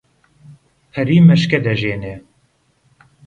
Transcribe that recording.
پەری مەشکەی دەژێنێ